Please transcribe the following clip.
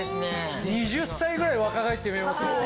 ２０歳ぐらい若返って見えますよね。